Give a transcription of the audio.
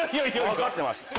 分かってました。